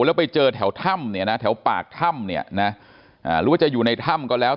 แล้วไปเจอแถวถ้ำเนี่ยนะแถวปากถ้ำเนี่ยนะหรือว่าจะอยู่ในถ้ำก็แล้ว